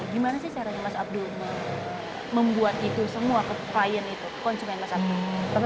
gimana sih caranya mas abdur membuat itu semua ke payen itu konsumen mas abdur